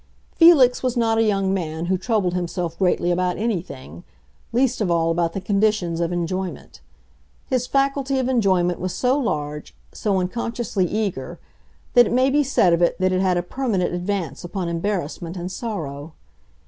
Felix was not a young man who troubled himself greatly about anything—least of all about the conditions of enjoyment. His faculty of enjoyment was so large, so unconsciously eager, that it may be said of it that it had a permanent advance upon embarrassment and sorrow.